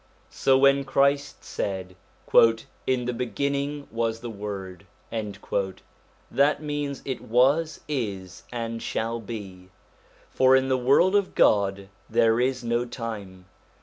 So when Christ said :' In the beginning was the Word ' that means it was, is, and shall be; for in the world of God there is no time.